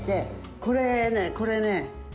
これねこれね。